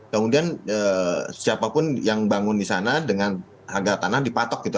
kemudian siapapun yang bangun di sana dengan harga tanah dipatok gitu